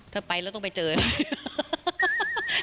เธอไปแล้วต้องไปเจออย่างนี้